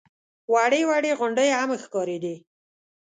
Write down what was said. وړې وړې غونډۍ هم ښکارېدې.